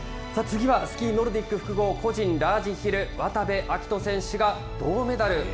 次はスキーノルディック複合個人ラージヒル、渡部暁斗選手が銅メダル。